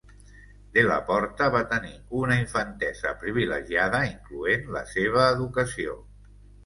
Della Porta va tenir una infantesa privilegiada incloent la seva educació.